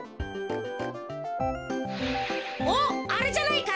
おっあれじゃないか？